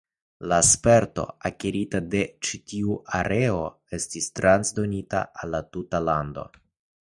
La sperto akirita en ĉi tiu areo estis transdonita al la tuta lando.